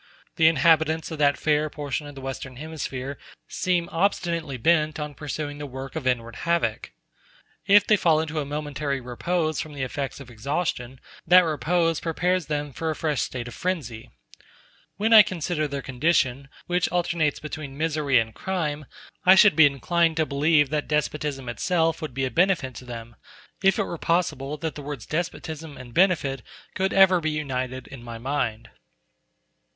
The inhabitants of that fair portion of the Western Hemisphere seem obstinately bent on pursuing the work of inward havoc. If they fall into a momentary repose from the effects of exhaustion, that repose prepares them for a fresh state of frenzy. When I consider their condition, which alternates between misery and crime, I should be inclined to believe that despotism itself would be a benefit to them, if it were possible that the words despotism and benefit could ever be united in my mind.